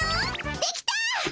できた！